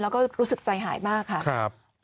แล้วก็รู้สึกใจหายมากค่ะ